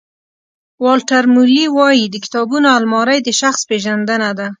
والټر مویلي وایي د کتابونو المارۍ د شخص پېژندنه ده.